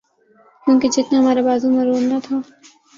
کیونکہ جتنا ہمارا بازو مروڑنا تھا۔